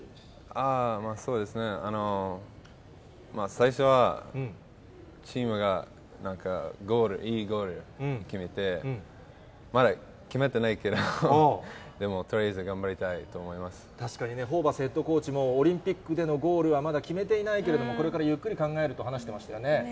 最初はチームがなんかゴール、いいゴール決めて、まだ決まってないけど、でもとりあえず頑張り確かにね、ホーバスヘッドコーチもオリンピックでのゴールはまだ決めていないけど、これからゆっくり考えると話してましたよね。